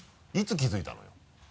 いつ気づいたのよ？